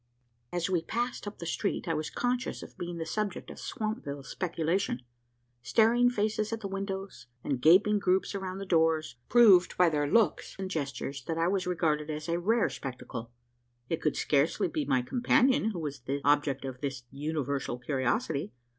As we passed up the street, I was conscious of being the subject of Swampville speculation. Staring faces at the windows, and gaping groups around the doors, proved by their looks and gestures, that I was regarded as a rare spectacle. It could scarcely be my companion who was the object of this universal curiosity.